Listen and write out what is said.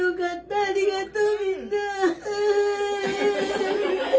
ありがとう。